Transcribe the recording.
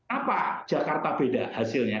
apa jakarta beda hasilnya